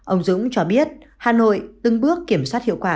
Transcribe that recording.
ông dũng cho biết hà nội từng bước kiểm soát hiệu quả